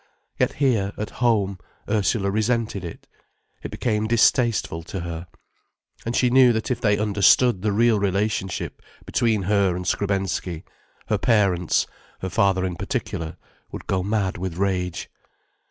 Yet here, at home, Ursula resented it. It became distasteful to her. And she knew that if they understood the real relationship between her and Skrebensky, her parents, her father in particular, would go mad with rage.